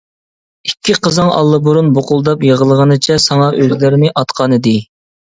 ئىككى قىزىڭ ئاللىبۇرۇن بۇقۇلداپ يىغلىغىنىچە ساڭا ئۆزلىرىنى ئاتقانىدى.